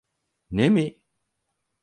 Ne mi?